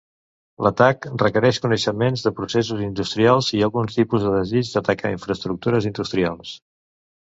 L'atac requereix coneixements de processos industrials i algun tipus de desig d'atacar infraestructures industrials.